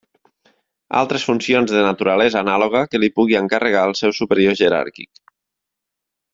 Altres funcions de naturalesa anàloga que li pugui encarregar el seu superior jeràrquic.